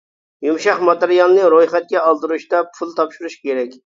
يۇمشاق ماتېرىيالنى رويخەتكە ئالدۇرۇشتا پۇل تاپشۇرۇش كېرەك.